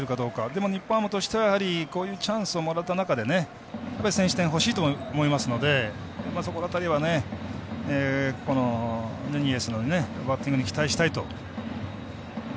でも、日本ハムとしてはやはりこういうチャンスをもらった中で先取点欲しいと思いますのでそこの辺りは、ヌニエスのバッティングに期待したいと。